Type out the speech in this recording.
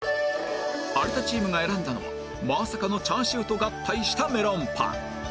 有田チームが選んだのはまさかのチャーシューと合体したメロンパン